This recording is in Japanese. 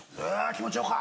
「気持ちよか！」